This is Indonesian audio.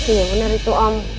iya bener itu om